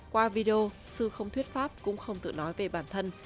qua video sư không thuyết pháp cũng không tự nói về bản thân